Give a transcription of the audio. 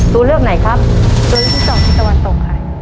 ตัวเลือกที่๒ทิศตะวันตกค่ะ